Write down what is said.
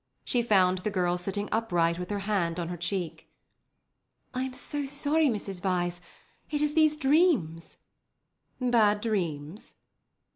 She found the girl sitting upright with her hand on her cheek. "I am so sorry, Mrs. Vyse—it is these dreams." "Bad dreams?"